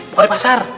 bukan di pasar